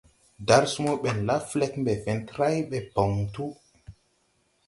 Darsumo ɓɛn la flɛg mbɛ fentray ɓɛ bɔŋ tu.